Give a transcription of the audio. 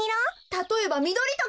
たとえばみどりとか。